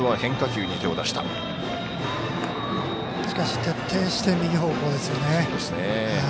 しかし徹底して右方向ですよね。